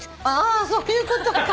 あそういうことか。